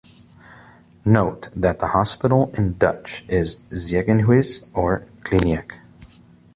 Note that hospital in Dutch is "ziekenhuis" or "kliniek".